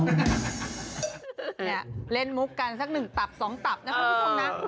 เนี่ยเล่นมุกกันสักหนึ่งตับ๒ตับนะครับคุณผู้ชมนะ